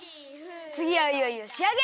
つぎはいよいよしあげ！